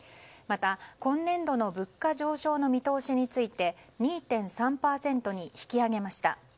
また、今年度の物価上昇の見通しについて２．３％に引き上げました。